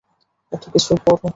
এত কিছুর পরও।